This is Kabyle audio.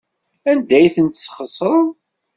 Anda ay tent-tesxeṣreḍ?